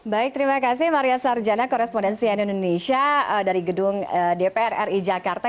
baik terima kasih maria sarjana korespondensi nn indonesia dari gedung dpr ri jakarta